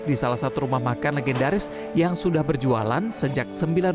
di salah satu rumah makan legendaris yang sudah berjualan sejak seribu sembilan ratus sembilan puluh